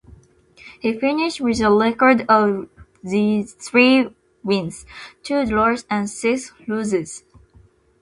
He finished with a record of three wins, two draws, and six losses.